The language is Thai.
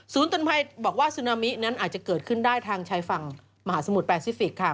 เตือนภัยบอกว่าสุนามินั้นอาจจะเกิดขึ้นได้ทางชายฝั่งมหาสมุทรแปซิฟิกค่ะ